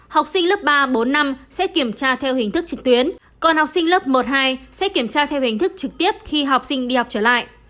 học sinh lớp ba bốn năm sẽ kiểm tra theo hình thức trực tuyến còn học sinh lớp một hai sẽ kiểm tra theo hình thức trực tiếp khi học sinh đi học trở lại